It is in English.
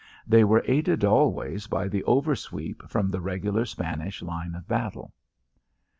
They were aided always by the over sweep from the regular Spanish line of battle.